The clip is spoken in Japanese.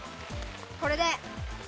これで。